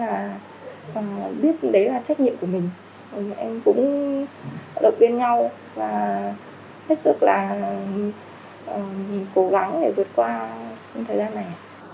thì tất cả mọi người biết đấy là trách nhiệm của mình em cũng được ghiền nhau hết sức là cố gắng để vượt qua thời gian này